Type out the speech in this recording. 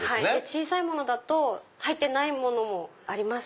小さいものだと入ってないものもあります。